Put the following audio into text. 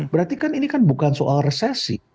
berarti kan ini kan bukan soal resesi